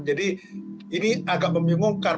jadi ini agak membingungkan